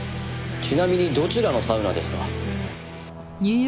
ちなみにどちらのサウナですか？